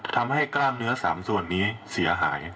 ทำให้กล้ามเนื้อสามส่วนนี้เสียหาย